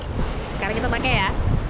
sekarang kita pakai ya